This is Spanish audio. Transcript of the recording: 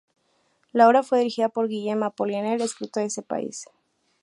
La obra fue dirigida por Guillaume Apollinaire, escritor de ese país.